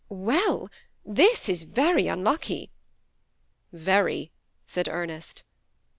" Well, this is very unlucky." " Very," said Ernest.